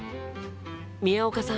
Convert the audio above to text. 宮岡さん